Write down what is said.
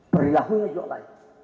perlahunya juga lain